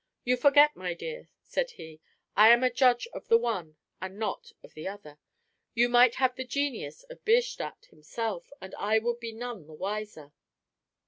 "You forget, my dear," said he, "I am a judge of the one, and not of the other. You might have the genius of Bierstadt himself, and I would be none the wiser."